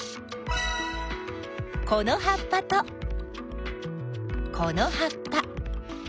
このはっぱとこのはっぱ。